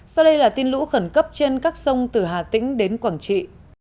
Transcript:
sau đây là tin lũ khẩn cấp trên các sông từ hà tĩnh đến quảng trị